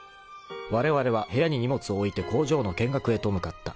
［われわれは部屋に荷物を置いて工場の見学へと向かった］